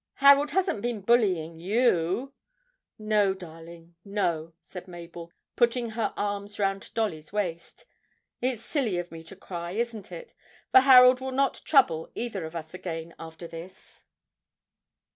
Harold hasn't been bullying you?' 'No, darling, no,' said Mabel, putting her arms round Dolly's waist. 'It's silly of me to cry, isn't it? for Harold will not trouble either of us again after this.'